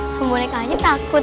sumpah bonekanya takut